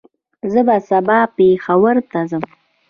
زه به سبا پېښور ته ځم